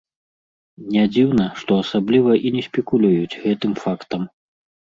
Не дзіўна, што асабліва і не спекулююць гэтым фактам.